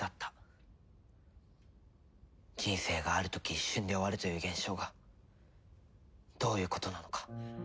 人生がある時一瞬で終わるという現象がどういうことなのか。